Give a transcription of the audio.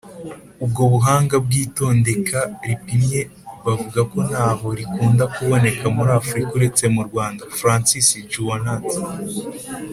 ubwo buhanga bw’itondeke ripimye bavuga ko ntaho rikunda kuboneka muri afurika uretse mu rwanda (francis jouannet )